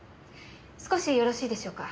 少しよろしいでしょうか？